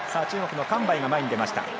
中国のカン・バイが前に出ました。